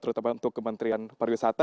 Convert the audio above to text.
terutama untuk kementerian pariwisata